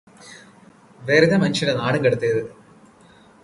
വെറുതേ മനുഷ്യനെ നാണം കെടുത്തരുത്